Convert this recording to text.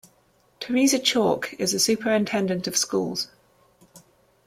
Teresa Chaulk is the Superintendent of Schools.